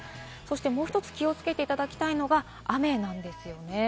もう１つ、気をつけていただきたいのが雨です。